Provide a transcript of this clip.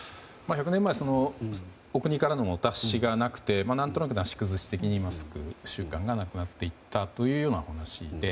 １００年前はお国からのお達しがなくてなんとなく、なし崩し的にマスク習慣がなくなっていったというような話で。